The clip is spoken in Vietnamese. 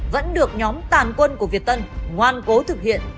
vẫn được nhóm tàn quân của việt tân ngoan cố thực hiện